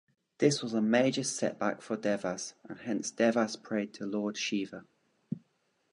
This was a major setback for Devas and hence Devas prayed to Lord Shiva.